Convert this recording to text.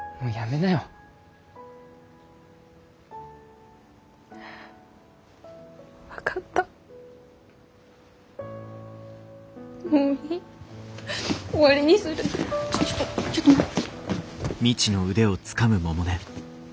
ちょっとちょっとちょっと待って。